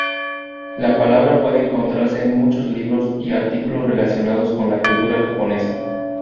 La palabra puede encontrarse en muchos libros y artículos relacionados con la cultura japonesa.